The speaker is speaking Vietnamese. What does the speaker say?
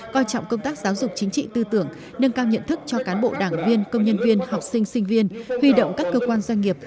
coi trọng công tác giáo dục chính trị tư tưởng nâng cao nhận thức cho cán bộ đảng viên công nhân viên học sinh sinh viên huy động các cơ quan doanh nghiệp